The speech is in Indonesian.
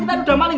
kita udah maling